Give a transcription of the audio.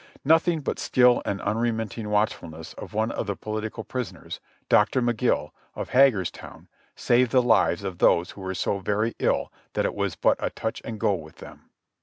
Nothing but skill and unremitting watchfulness of one of the political prisoners. Doctor Magill, of Hagerstown, saved the lives of those who were so very ill that it was but a touch and go with them.